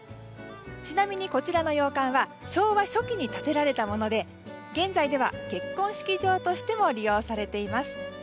ちなみにこちらの洋館は昭和初期に建てられたもので現在では結婚式場としても利用されています。